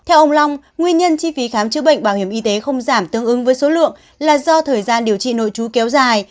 theo ông long nguyên nhân chi phí khám chữa bệnh bảo hiểm y tế không giảm tương ứng với số lượng là do thời gian điều trị nội trú kéo dài